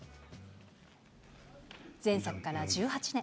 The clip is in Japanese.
前作から１８年。